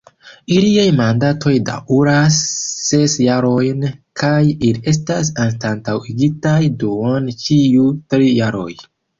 Iliaj mandatoj daŭras ses jarojn, kaj ili estas anstataŭigitaj duone ĉiu tri jaroj.